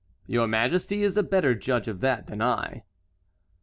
"Your majesty is a better judge of that than I."